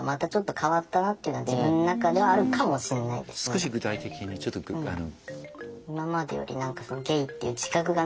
少し具体的にちょっとあの。